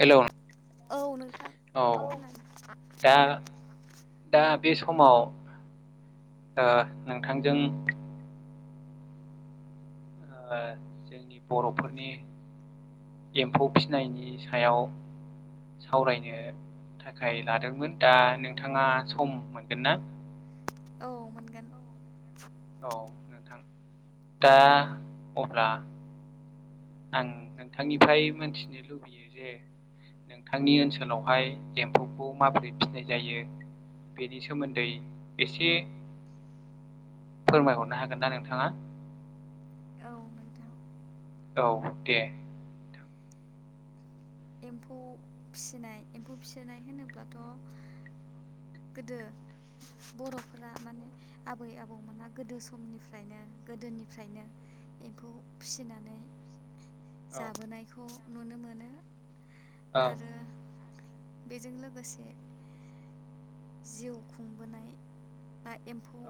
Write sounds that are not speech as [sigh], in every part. हेल' औ नोंथां औ खोनादों दा दा बे समाव ओ नोंथांजों ओ जोंनि बर'फोरनि एम्फौ फिनायनि सायाव सावरायनो थाखाय लादोंमोन दा नोंथाङा सम मोनगोन ना? औ मोनगोन औ नोंथां दा अब्ला आं नोंथांनिफ्राय मिथिनो लुबैयो जे नोंथांनि ओनसोलावहाय एम्फौखौ माबोरै फिनाय जायो? बेनि सोमोन्दै एसे फोरमायहरनो हागोन ना नोंथाङा। औ नोंथां औ दे एम्फौ फिसिनाय एम्फौ फिसिनाय होनोब्लाथ' ओ गोदो बर'फोरा माने आबै आबौमोना गोदो समनिफ्रायनो गोदोनिफ्रायनो एम्फौ फिसिनानै औ जाबोनायखौ नुनो मोनो आरो बेजों लोगोसे जिउ खुंबोनाय बा एम्फौ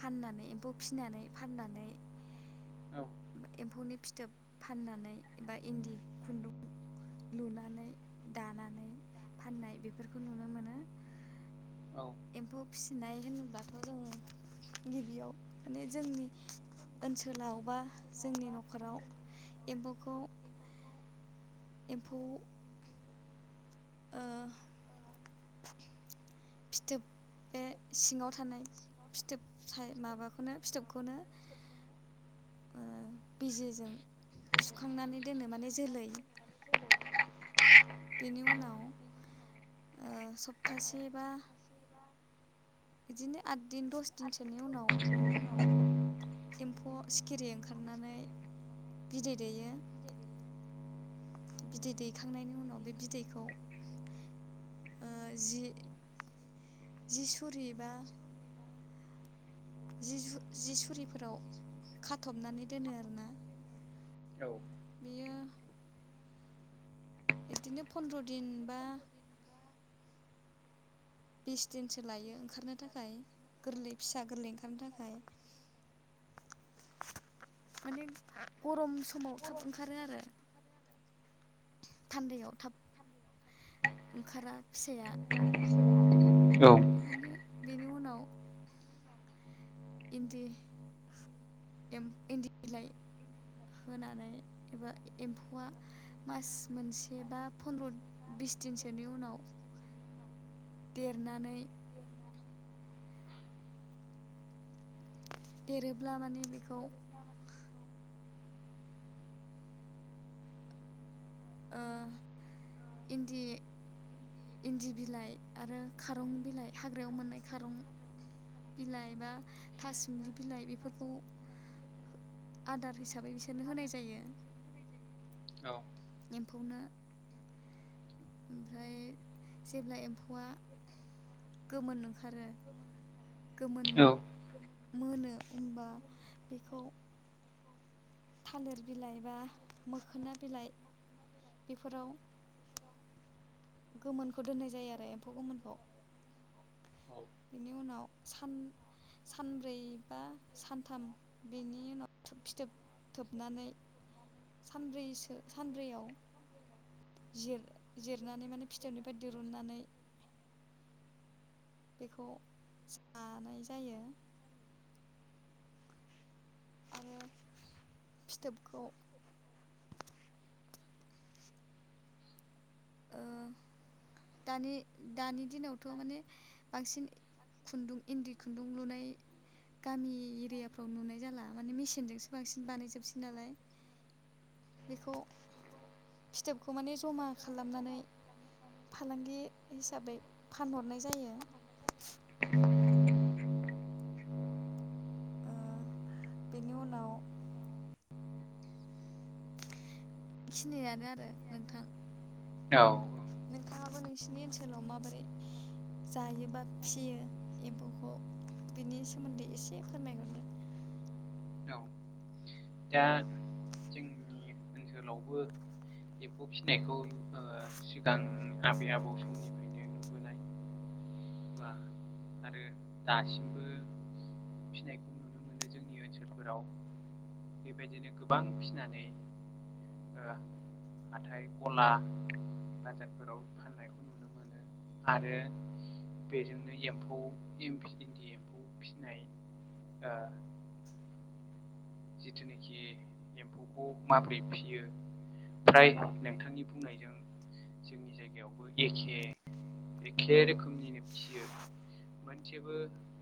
फाननानै एम्फौ फिनानै फाननानै एम्फौनि फिथोब फाननानै एबा इन्दि खुन्दुं लुनानै दानानै फाननाय बेफोरखौ नुनो मोनो। एम्फौ फिसिनाय होनोब्लाथ' जोंङो गिबियाव माने जोंनि ओनसोलाव बा जोंनि न'खराव एम्फौखौ एम्फौ ओ [inaudible] फिथोब बे सिङाव थानाय फिथोब माबाखौनो फिथोबखौनो [inaudible] ओ बिजिजों सुखांनानै दोनो माने जोलै बेनि उनाव ओ सप्तासे बा बिदिनो आद दिन दस दिनसोनि उनाव एम्फौ सिखिरि ओंखारनानै बिदै दैेयो। बिदै दैखांनायनि उनाव बे बिदैखौ ओ जि जि सुरिबा जि जु जि सुरिफोराव खाथबनानै दोनो आरोना। औ बेयो बिदिनो फन्द्र' दिन बा बिस दिनसो लायो ओंखारनो थाखाय गोरलै फिसा गोरलै ओंखारनो थाखाय। [inaudible] माने गरम समाव थाब ओंखारो आरो। थान्दायाव थाब ओंखारा फिसाया। औ बिनि बेनि उनाव इन्दि एम इन्दि बिलाइ होनानै एबा एम्फौआ मास मोनसे बा फन्द्र' बिस दिनसोनि उनाव देरनानै देरोब्ला माने बेखौ ओ इन्दि इन्दि बिलाइ आरो खारं बिलाइ हाग्रायाव मोननाय खारं बिलाइ बा थासुमलि बिलाइ बेफोरखौ आदार हिसाबै बिसोरनो होनाय जायो। औ एम्फौनो ओमफ्राय जेब्ला एम्फौआ गोमोन ओंखारो गोमोन औ मोनो होमबा बेखौ थालिर बिलाइ बा मोखोना बिलाइ बेफोराव गोमोनखौ दोननाय जायो आरो एम्फौ गोमोनखौ। बेनि उनाव सान सानब्रै बा सानथाम बेनि उनाव थोब फिथोब थोबनानै सानब्रैसो सानब्रैयाव जिरनानै माने फिथोबनिफ्राय दिरुननानै बेखौ जानाय जायो। आरो फिथोबखौ ओ दानि दानि दिनावथ' माने बांसिन खुन्दुं इन्दि खुन्दुं लुनाय गामि एरियाफ्राव नुनाय जाला माने मेसिनजोंसो बांसिन बानायजोबसै नालाय। बेखौ फिथोबखौ माने जमा खालामनानै फालांगि हिसाबै फानहरनाय जायो। [inaudible] ओ बेनि उनाव बेखिनियानो आरो नोंथां। औ नोंथाङाबो नोंसिनि ओनसोलाव माबोरै जायो बा फियो एम्फौखौ बिनि सोमोन्दै एसे फोरमायहरदो। औ दा नवबो एम्फौ फिसिनायखौ सिगां आबै आबौ समनि आरो दासिमबो फिनायखौ नुनो मोनो जोंनि ओनसोलफोराव बेबायदिनो गोबां फिनानै हाथथाय गलाादफोराव फाननायखौ नुनो मोनो। आरो बेजोंनो एम्फौ इन्दि एम्फौ फिसिनाय ओ जिथुनाखि एम्फौखौ माबोरै फियो फ्राय नोंथांनि बुंनायजों जोंनि जायगायावबो एखे एखे रोखोमनि फियो मोनसेेबो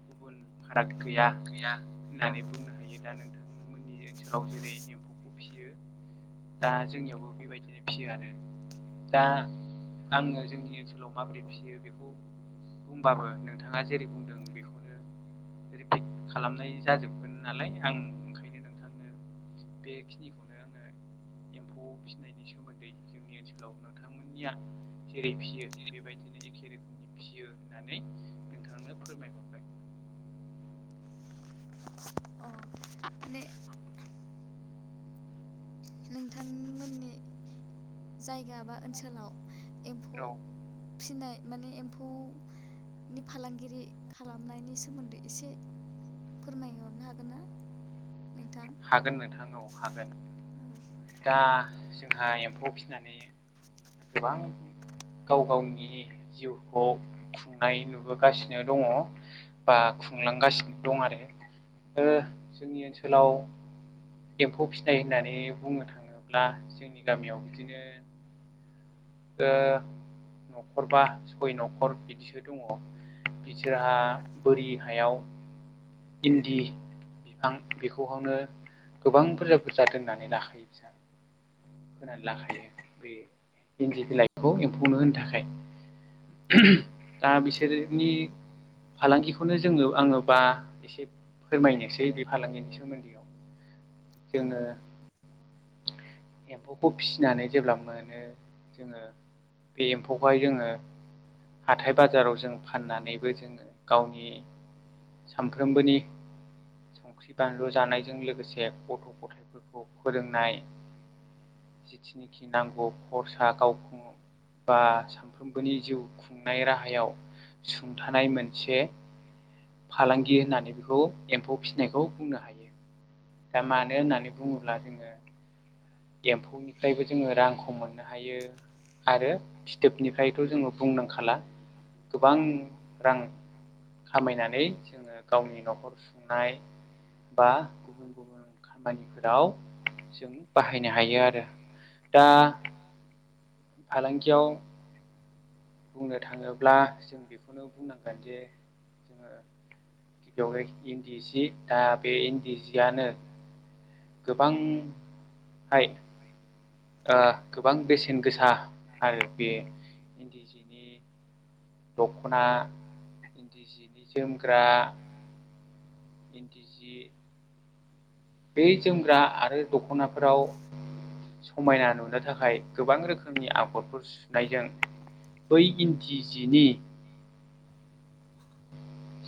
गुबुन फाराग गैया गैया। होननानै बुंनो हायो दा नोंथांमोननि ओनसोलाव जेरै एम्फौखौ फिसियो दा जोंनियावबो बेबायदिनो फियो आरो। दा आङो जोंनि ओनसोलाव माबोरै फिसियो बेखौ हबाबो नोंथाङा जेरै बुंदों बेखौनो रिपिक खालामनाय जाजोबगोन नालाय आं ओंखायनो नोंथांनो बेखिनिखौनो आङो एम्फौ फिसिनायनि सोमोन्दै जोंनि ओनसोलाव नोंथांमोननिया जेरै फिसियो बेबायदिनो फियो होननानै नोंथांनो फोरमायबाव अ माने नोंथांमोननि जायगा बा ओनसोलाव एम्फौ औ फिनाय माने एम्फौ नि फालांगिरि खालामनायनि सोमोन्दै एसे फोरमायहरनो हागोन ना? नोंथां? हागोन नोंथां औ हागोन औ दा जोंहा एम्फौ फिसिनानै गोबां गाव गावनि जिउखौ खुंनाय नुबोगासिनो दङ बा खुंलांगासिनो दं आरो। ओ जोंनि ओनसोलाव एम्फौ फिनाय होननानै बुंनो थाङोब्ला जोंनि गामियाव बिदिनो ओ न'खरबा सय न'खर बिदिसो दङ। बिसोरहा बोरि हायाव इन्दि बिफां बेखौहनो गोबां बुरजा बुरजा दोननानै लाखायो बि होनानै लाखायो बे इन्दि बिलाइखौ एम्फौनो होनो थाखाय दा बिसोरनि फालांगिखौनो जोङो आङो बा एसे फोरमायनोसै बे फालांगिनि सोमोन्दै। औ जोङो एम्फौखौ फिसिनानै जेब्ला मोनो। जोङो बे एम्फौखौहाय जोङो हाथाय बाजाराव जों फाननानैबो जोङो गावनि सानफ्रोमबोनि संख्रि बानलु जानायजों लो लोगोसे गथ' गथायफोरखौ फोरोंनाय जिथिनिखि नांगौ खरसा गावखौनो बा सानफ्रोमबोनि जिउ खुंनाय राहायाव सुंथानाय मोनसे फालांगि होननानै बेखौ एम्फौ फिसिनायखौ बुंनो हायो। दा मानो होननानै बुङोब्ला जोंङो एम्फौनिफ्रायबो जोंङो रांखौ मोननो हायो आरो फिथोबनिफ्राय थ' जोंङो बुंनांखाला गोबां रां खामायनानै जोंङो गावनि न'खर सुंनाय बा गुबुन गुबुन खामानिफोराव जों बाहायनो हायो आरो दा फालांगियाव बुंनो थाङोब्ला जों बेखौनो बुंनांगोन जे जोंङो गिबियावनो इन्दि सि दा बे इन्दि सियानो गोबांहाय थाय ओ गोबां बेसेन गोसा आरो बे इन्दि जिनि दख'ना इन्दि जिनि जोमग्रा इन्दि जि बे जोमग्रा आरो दख'नाफोराव समायना नुनो थाखाय गोबां रोखोमनि आगरफोर सुनायजों बै इन्दि जिनि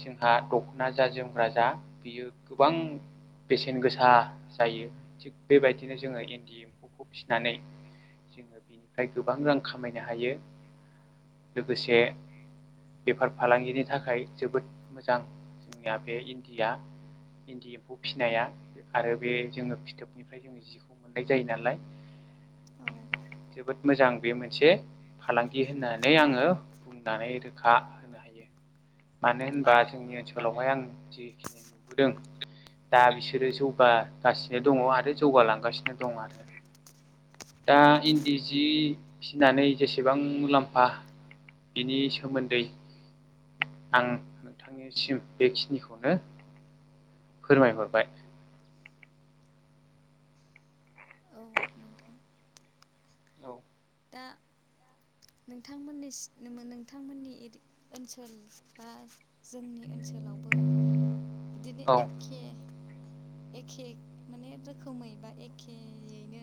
जोंहा दख'ना जा जोमग्रा जा बियो गोबां बेसेन गोसा जायो थिग बेबायदिनो जोंङो इन्दि एम्फौखौ फिसिनानै जोंङो बेनिफ्राय गोबां रां खामायनो हायो। लोगोसे बेफार फालांगिनि थाखाय जोबोद मोजां जोंनिया बे इन्दिया। इन्दि एम्फौ फिसिनाया आरो बे जोंङो फिथोबनिफ्राय जों जिखौ मोननाय जायो नालाय। औ। जोबोद मोजां बे मोनसे फालांगि होननानै आङो बुंनानै रोखा होनो हायो मानो होनबा माने जोंनि ओनसोलावहाय आं जेखिनि नुबोदों दा बिसोरो जौगागासिनो दङ आरो जौगालांगासिनो दं आरो। दा इन्दि जि फिनानै जेसेबां मुलाम्फा बिनि सोमोन्दै आं नोंथांनिसिम बेखिनिखौनो फोरमायहरबाय। औ नोंथां। औ दा नोंथांमोननि सि नोंथांमोननि [unintelligible] ओनसोल बा जोंनि ओनसोलावबो दिनो औ एखे एखे माने रोखोमै बा एखेयैनो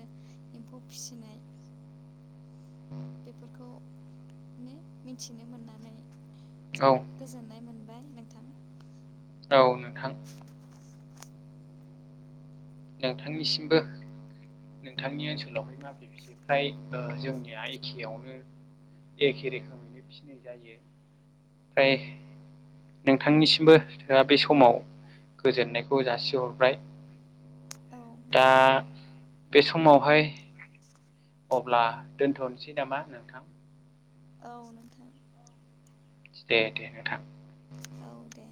एम्फौ फिसिनाय बेफोरखौनो मिथिनो मोननानै औ जोबोद गोजोननाय मोनबाय नोंथां। औ नोंथां। नोंथांनिसिमबो नोंथांनि ओनसोलावहाय माबि फ्राय ओ जोंनिया एखेयावनो एखे रोखोमैनो फिनाय जायो फ्राय नोंथांनिसिमबो आ बे समाव गोजोननायखौ जासिहरबाय। औ दा नोंथां बे समावहाय अब्ला दोनथ'नोसै नामा नोंथां? औ नोंथां। दे दे नोंथां। औ दे‌।